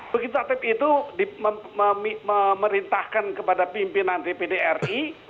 begitu tatip itu memerintahkan kepada pimpinan dpd ri